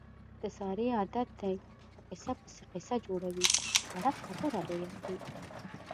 د سارې عادت دی، په قیصه پسې قیصه جوړوي. وړه خبره لویه کړي.